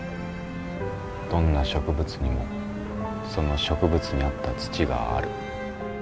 どんな植物にもその植物に合った土がある。